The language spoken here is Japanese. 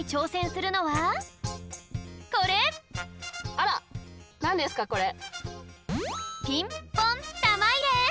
あらなんですかこれ。